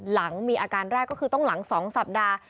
หลังมีอาการแรกก็คือต้องหลัง๒สัปดาห์